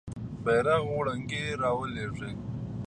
بیرغ وړونکی رالویږي.